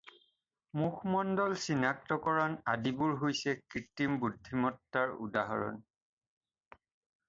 মুখমণ্ডল চিনাক্তকৰণ আদিবোৰ হৈছে কৃত্ৰিম বুদ্ধিমত্তাৰ উদাহৰণ।